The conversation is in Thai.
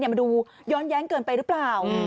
มันดูย้อนแย้งเกินไปหรือเปล่า